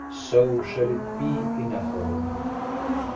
So shall it be in a home.